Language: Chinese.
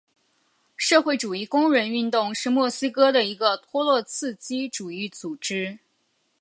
社会主义工人运动是墨西哥的一个托洛茨基主义组织。